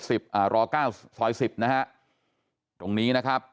ร๙ซอย๑๐นะครับตรงนี้นะครับ